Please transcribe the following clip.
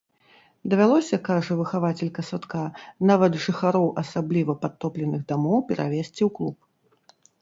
Давялося, кажа выхавацелька садка, нават жыхароў асабліва падтопленых дамоў перавезці ў клуб.